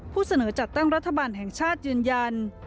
ผู้เสนอจัดตั้งรัฐบาลแห่งชาติยืนยัน